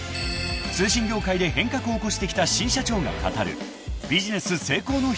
［通信業界で変革を起こしてきた新社長が語る］